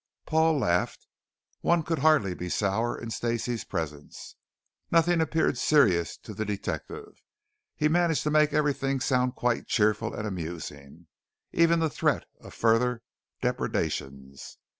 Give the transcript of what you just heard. Paul laughed. One could hardly be sour in Stacey's presence. Nothing appeared serious to the detective; he managed to make everything sound quite cheerful and amusing, even the threat of further depredations.